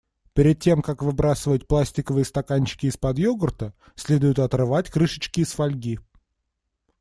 Перед тем как выбрасывать пластиковые стаканчики из-под йогурта, следует отрывать крышечки из фольги.